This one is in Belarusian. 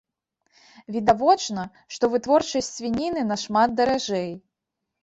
Відавочна, што вытворчасць свініны нашмат даражэй.